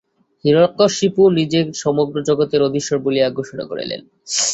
হিরণ্যকশিপু নিজেকে সমগ্র জগতের অধীশ্বর বলিয়া ঘোষণা করিলেন।